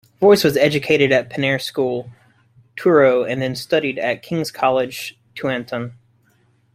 Voyce was educated at Penair School, Truro and then studied at King's College, Taunton.